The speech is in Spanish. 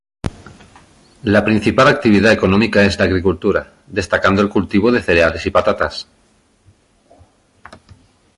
La principal actividad económica es la agricultura, destacando el cultivo de cereales y patatas.